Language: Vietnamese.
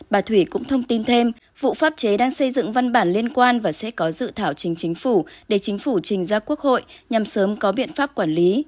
bà thủy cũng thông tin thêm vụ pháp chế đang xây dựng văn bản liên quan và sẽ có dự thảo chính chính phủ để chính phủ trình ra quốc hội nhằm sớm có biện pháp quản lý